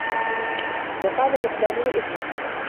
وَقَالَ لُقْمَانُ لِابْنِهِ